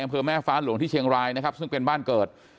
อำเภอแม่ฟ้าหลวงที่เชียงรายนะครับซึ่งเป็นบ้านเกิด